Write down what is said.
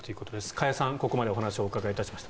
加谷さんにここまでお話をお伺いいたしました。